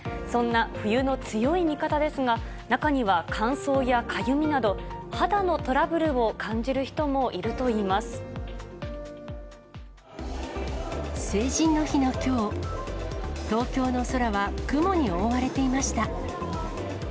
そんな冬の強い味方ですが、中には乾燥やかゆみなど、肌のトラブルを感じる人もいるといいま成人の日のきょう、東京の空は雲に覆われていました。